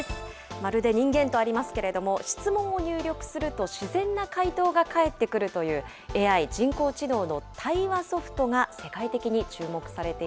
まるで人間とありますけれども、質問を入力すると、自然な回答が返ってくるという、ＡＩ・人工知能の対話ソフトが世界的に注目さ